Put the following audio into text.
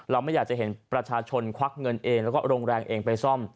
ไม่อยากจะเห็นประชาชนควักเงินเองแล้วก็โรงแรงเองไปซ่อม